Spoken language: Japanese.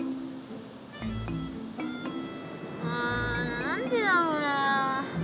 あ何でだろうな？